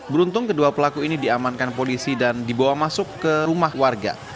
beruntung kedua pelaku ini diamankan polisi dan dibawa masuk ke rumah warga